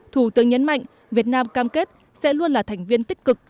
thủ tướng nhấn mạnh việt nam cam kết sẽ luôn là thành viên tích cực